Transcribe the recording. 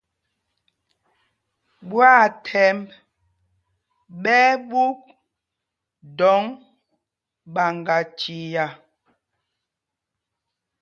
Ɓwaathɛmb ɓɛ́ ɛ́ ɓûk dɔŋ ɓaŋgachia.